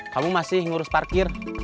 kamu masih ngurus parkir